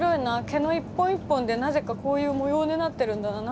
毛の一本一本でなぜかこういう模様になってるんだな。